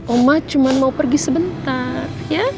oma cuma mau pergi sebentar ya